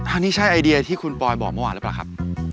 อันนี้ใช่ไอเดียที่คุณปอยบอกเมื่อวานหรือเปล่าครับ